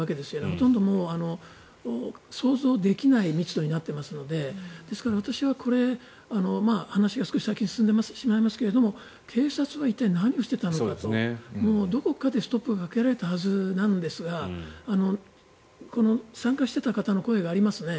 ほとんど想像できない密度になっていますのでですから私は話が少し先に進んでしまいますが警察は一体、何をしていたのかとどこかでストップをかけられたはずなんですが参加していた方の声がありますね。